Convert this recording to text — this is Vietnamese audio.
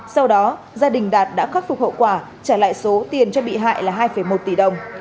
sau đó gia đình đạt đã khắc phục hậu quả trả lại số tiền cho bị hại là hai một tỷ đồng